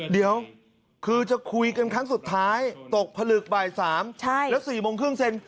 เดี๋ยวคือจะคุยกันครั้งสุดท้ายตกผลึกบ่าย๓แล้ว๔โมงครึ่งเซ็น